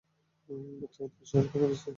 বোধহয় ওদের সরাতে পেরেছি।